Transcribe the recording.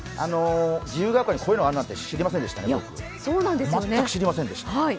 自由が丘にこういうのがあるのは全く知りませんでした。